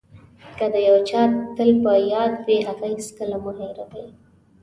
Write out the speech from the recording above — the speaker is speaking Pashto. که د یو چا تل په یاد وئ هغه هېڅکله مه هیروئ.